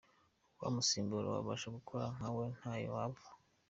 Uwamusimbura wabasha gukora nka we ntaho yava.